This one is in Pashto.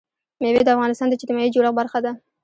مېوې د افغانستان د اجتماعي جوړښت برخه ده.